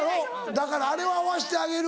だからあれは合わしてあげる。